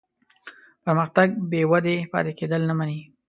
پرمختګ بېودې پاتې کېدل نه مني.